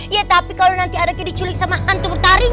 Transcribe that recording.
ya tapi kalau nanti adanya diculik sama hantu bertaring